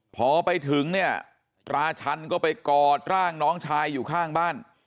พอไปถึงเนี่ยราชันก็ไปกอดร่างน้องชายอยู่ข้างบ้าน